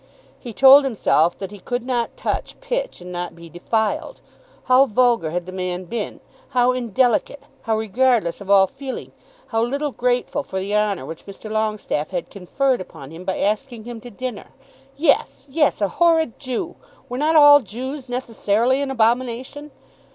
He told himself that he could not touch pitch and not be defiled! How vulgar had the man been, how indelicate, how regardless of all feeling, how little grateful for the honour which Mr. Longestaffe had conferred upon him by asking him to dinner! Yes; yes! A horrid Jew! Were not all Jews necessarily an abomination?